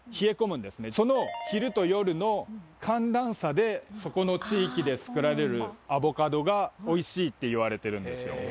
その昼と夜の寒暖差でそこの地域で作られるアボカドがおいしいっていわれてるんですよ。